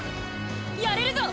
やれるぞ！